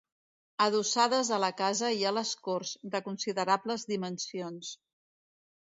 Adossades a la casa hi ha les corts, de considerables dimensions.